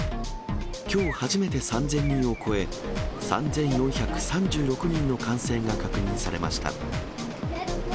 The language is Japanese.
きょう初めて３０００人を超え、３４３６人の感染が確認されました。